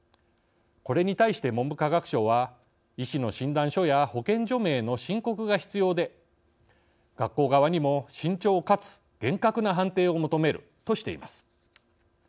これに対して文部科学省は医師の診断書や保健所名の申告が必要で学校側にも慎重かつ厳格な判定を求めるとしています。